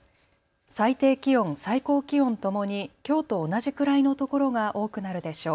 最低気温、最高気温ともにきょうと同じくらいのところが多くなるでしょう。